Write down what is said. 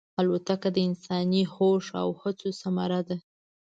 الوتکه د انساني هوش او هڅو ثمره ده.